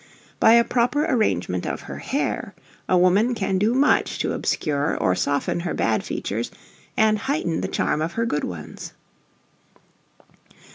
By a proper arrangement of her hair a woman can do much to obscure or soften her bad features, and heighten the charm of her good ones.